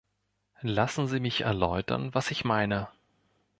Lassen Sie mich erläutern, was ich meine.